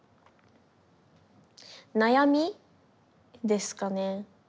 悩み？ですかね。